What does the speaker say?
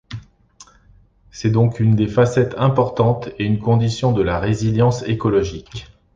C'est donc une des facettes importantes et une condition de la résilience écologique.